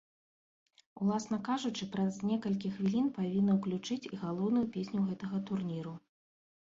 Уласна кажучы, праз некалькі хвілін павінны ўключыць і галоўную песню гэтага турніру.